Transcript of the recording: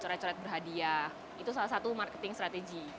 coret coret berhadiah itu salah satu marketing strategy